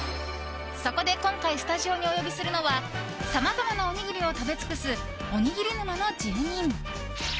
そこで今回スタジオにお呼びするのはさまざまなおにぎりを食べつくすおにぎり沼の住人。